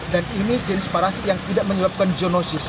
dan ini jenis parasit yang tidak menyebabkan jonosis